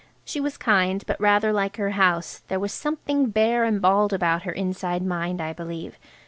She was kind, but rather like her house–there was something bare and bald about her inside mind, I believe.